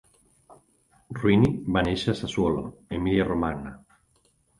Ruini va néixer a Sassuolo, Emilia-Romagna.